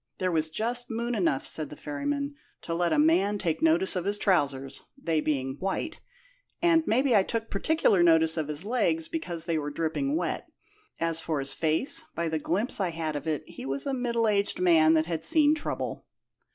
'There was just moon enough,' said the ferry man, 'to let a man take notice of his trousers, they being white; and maybe I took particular notice of his legs, because they were dripping wet. As for his face, by the glimpse I had of it he was a middle aged man that had seen trouble.'